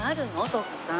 徳さん。